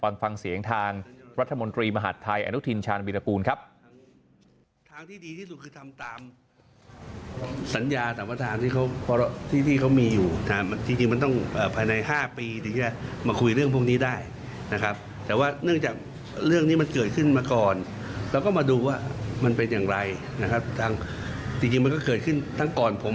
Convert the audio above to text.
ฟังเสียงทางรัฐมนตรีมหาดไทยอนุทินชาญวิรากูลครับ